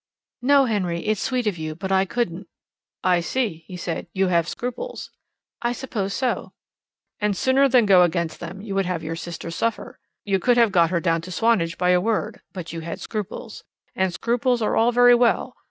"No, Henry; it's sweet of you, but I couldn't." "I see," he said; "you have scruples." "I suppose so." "And sooner than go against them you would have your sister suffer. You could have got her down to Swanage by a word, but you had scruples. And scruples are all very well.